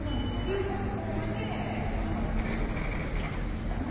中学校までこの尼崎で生活をしていました。